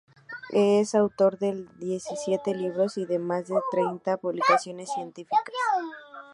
Es autor de diecisiete libros y de más de trescientas publicaciones científicas.